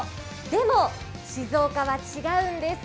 でも静岡は違うんです。